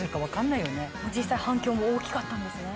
実際反響も大きかったんですね。